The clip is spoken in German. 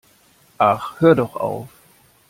Ach, hör doch auf!